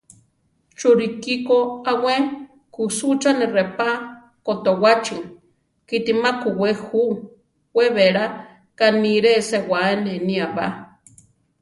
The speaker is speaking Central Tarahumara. Churikí ko a we kusucháni reʼpá kotowáchi, kiti ma kuwé ju; we bela kaniire sewá eʼnenía ba.